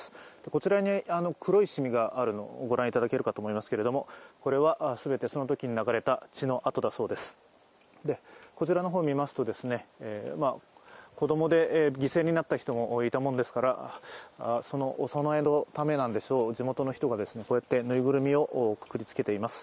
こちらに黒い染みがあるのが、御覧いただけるかと思いますがこれは全てそのときに流れた血の痕だそうですこちらの方を見ますと子供で犠牲になった人もいたものですからそのお供えのためなんでしょう、地元の人がこうやって縫いぐるみをくくりつけています。